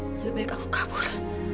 lebih baik aku kabur